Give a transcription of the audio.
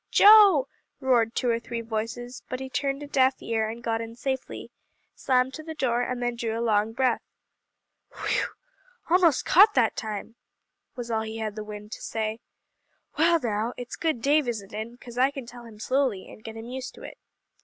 "Joe!" roared two or three voices; but he turned a deaf ear, and got in safely; slammed to the door, and then drew a long breath. "Whew! Almost caught that time," was all he had the wind to say. "Well, now, it's good Dave isn't in, 'cause I can tell him slowly, and get him used to it."